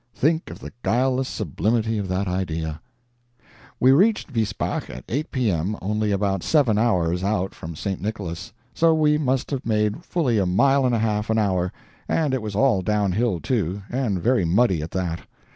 Think of the guileless sublimity of that idea. We reached Vispach at 8 P.M., only about seven hours out from St. Nicholas. So we must have made fully a mile and a half an hour, and it was all downhill, too, and very muddy at that.